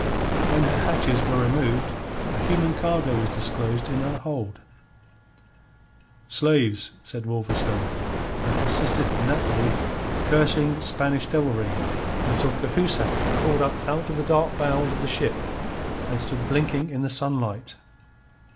When her hatches were removed, a human cargo was disclosed in her hold. "Slaves," said Wolverstone, and persisted in that belief cursing Spanish devilry until Cahusac crawled up out of the dark bowels of the ship, and stood blinking in the sunlight.